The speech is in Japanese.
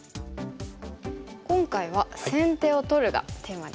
今回は「先手を取る」がテーマですね。